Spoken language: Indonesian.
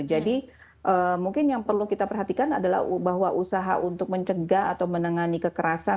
jadi mungkin yang perlu kita perhatikan adalah bahwa usaha untuk mencegah atau menengani kekerasan